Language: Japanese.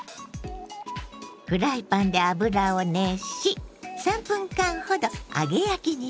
フライパンで油を熱し３分間ほど揚げ焼きにします。